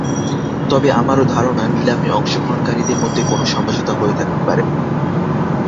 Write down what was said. তবে আমারও ধারণা, নিলামে অংশগ্রহণকারীদের মধ্যে কোনো সমঝোতা হয়ে থাকতে পারে।